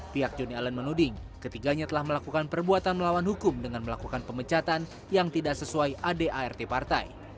pihak joni allen menuding ketiganya telah melakukan perbuatan melawan hukum dengan melakukan pemecatan yang tidak sesuai adart partai